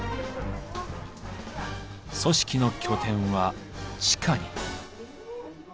組織の拠点は地下に。